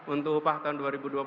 untuk upah tahun dua ribu dua puluh